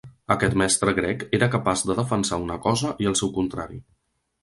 Aquest mestre grec era capaç de defensar una cosa i el seu contrari.